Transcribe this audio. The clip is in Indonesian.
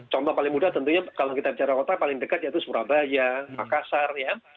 contoh paling mudah tentunya kalau kita bicara kota paling dekat yaitu surabaya makassar ya